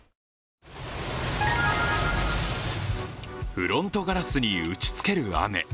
フロントガラスに打ちつける雨。